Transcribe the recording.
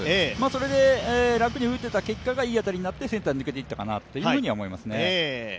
それで楽に打てた結果が、いい当たりになってセンターに抜けていったかなというふうには思いますね。